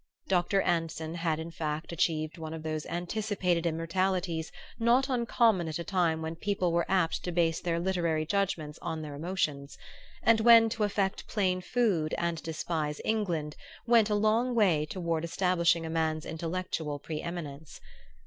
Dr. Anson had in fact achieved one of those anticipated immortalities not uncommon at a time when people were apt to base their literary judgments on their emotions, and when to affect plain food and despise England went a long way toward establishing a man's intellectual pre eminence.